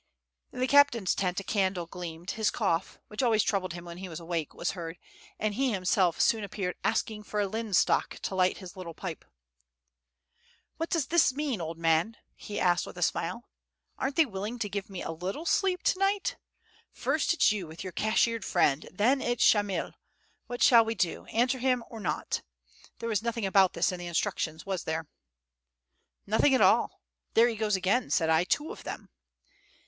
In the captain's tent a candle gleamed; his cough, which always troubled him when he was awake, was heard; and he himself soon appeared, asking for a linstock to light his little pipe. "What does this mean, old man?" [Footnote: Batiushka] he asked with a smile. "Aren't they willing to give me a little sleep to night? First it's you with your cashiered friend, and then it's Shamyl. What shall we do, answer him or not? There was nothing about this in the instructions, was there?" "Nothing at all. There he goes again," said I. "Two of them!"